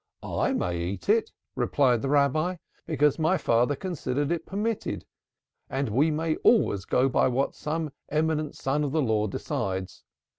'I may eat it,' replied the Rabbi, 'because my father considers it permitted and we may always go by what some eminent Son of the Law decides.